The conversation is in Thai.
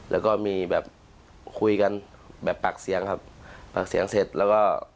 แล้วก็มีแบบคุยกันแบบปากเสียงครับปากเสียงเสร็จแล้วก็